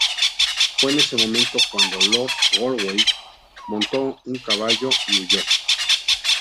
Fue en ese momento cuando Lord Galway montó en un caballo y huyó.